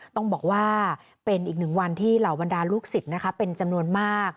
ต้องบอกว่าเป็นอีกหนึ่งวันที่เหล่าบรรดาลูกศิษย์เป็นจำนวนมาก